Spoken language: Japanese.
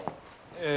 ええ。